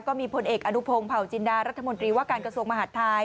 ก็มีผลเอกอนุพงศ์เผาจินดารัฐมนตรีว่าการกระทรวงมหาดไทย